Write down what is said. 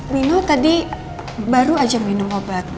nino tadi baru aja minum obat